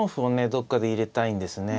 どっかで入れたいんですね。